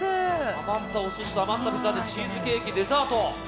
余ったお寿司と余ったピザでチーズケーキ、デザート。